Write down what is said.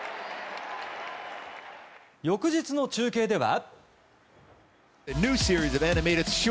翌日の中継では。